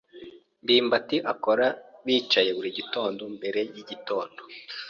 ndimbati akora bicaye buri gitondo mbere yigitondo.